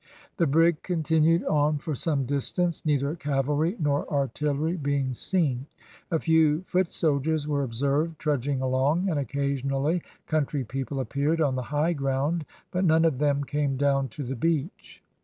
The brig continued on for some distance, neither cavalry nor artillery being seen. A few foot soldiers were observed trudging along, and occasionally country people appeared on the high ground, but none of them came down to the beach.